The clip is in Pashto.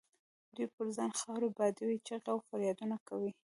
دوی پر ځان خاورې بادوي، چیغې او فریادونه کوي.